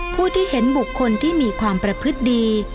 ผู้ที่เห็นบุคคลที่มีความประพฤติดี